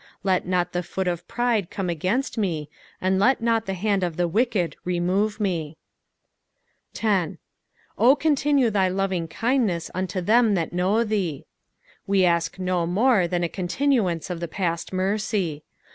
11 Let not the foot of pride come against me, and let not the hand of the wicked remove me, 10, " 0 continue thy lovingkindneta unto tkem that hnme tkee. " We ask no mure than a continuance of the past mercy.